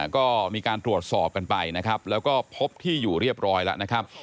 ก็มีการตรวจสอบกันไปนะครับแล้วก็พบที่อยู่เรียบร้อยแล้วนะครับ